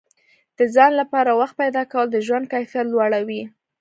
د ځان لپاره وخت پیدا کول د ژوند کیفیت لوړوي.